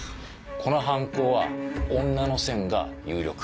この犯行は女の線が有力。